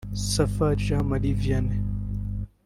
Safari Jean Maria Vianne